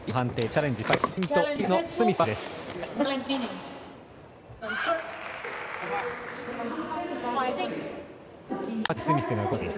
チャレンジ失敗です。